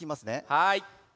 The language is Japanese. はい。